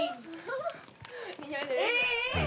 え？